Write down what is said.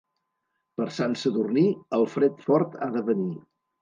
Per Sant Sadurní, el fred fort ha de venir.